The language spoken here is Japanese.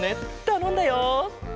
たのんだよ。